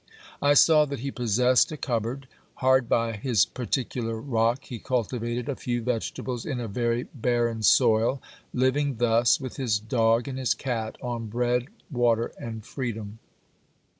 I saw that he possessed a cupboard. Hard by his particular rock he cultivated a few vegetables in a very barren soil, living thus, with his dog and his cat, on bread, water and freedom.